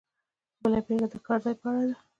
بله بېلګه د کار ځای په اړه ده.